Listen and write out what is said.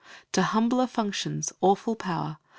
To humbler functions, awful Power!